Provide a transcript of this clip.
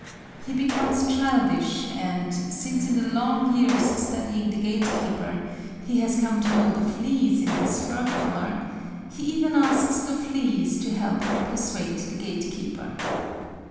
He becomes childish and, since in the long years studying the gatekeeper he has come to know the fleas in his fur collar, he even asks the fleas to help him persuade the gatekeeper.